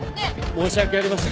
申し訳ありません。